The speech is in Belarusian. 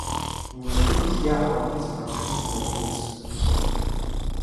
Не буду ж я гаварыць пра чыстыя вуліцы.